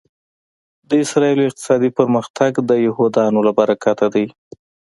د اسرایلو اقتصادي پرمختګ د یهودیانو له برکته دی